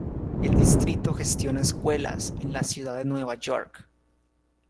El distrito gestiona escuelas en la Ciudad de Nueva York.